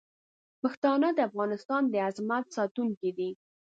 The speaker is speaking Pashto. پښتانه د افغانستان د عظمت ساتونکي دي.